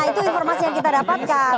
itu informasi yang kita dapatkan